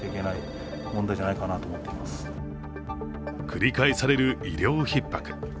繰り返される医療ひっ迫。